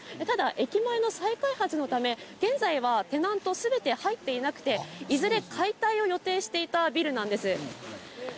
ただ駅前の再開発のため、現在はテナント全て入っていなくて、いずれ解体を予定していたビルなんです。